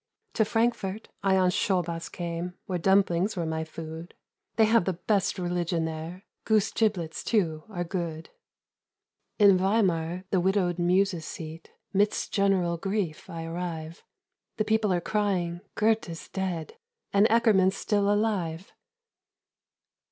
"To Frankfort I on Schobbas came, Where dumplings were my food. They have the best religion there: Goose giblets, too, are good. "In Weimar, the widowed muse's seat, Midst general grief I arrive. The people are crying 'Goethe's dead, And Eckermann's still alive!'"